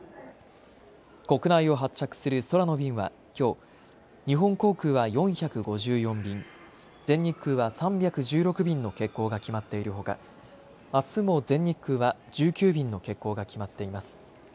国内を発着する空の便はきょう、日本航空は４５４便全日空は３１６便の欠航が決まっているほか、あすも全日空は１９便の欠航が決まっています。